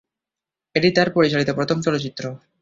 এটি তার পরিচালিত প্রথম চলচ্চিত্র।